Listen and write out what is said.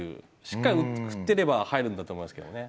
しっかり振ってれば入るんだと思いますけどね。